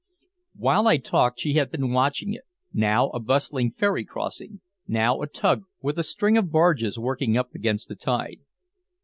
While I talked she had been watching it, now a bustling ferry crossing, now a tug with a string of barges working up against the tide.